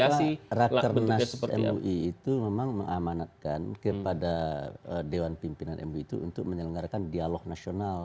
jadi apa raternas mui itu memang mengamanatkan kepada dewan pimpinan mui itu untuk menyelenggarakan dialog nasional